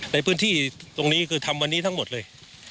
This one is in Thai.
ในพื้นที่ตรงนี้คือทำวันนี้ทั้งหมดเลย